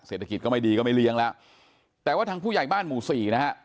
เศรษฐกิจก็ไม่ดีก็ไม่เลี้ยงแล้วแต่ว่าทางผู้ใหญ่บ้านหมู่สี่นะฮะ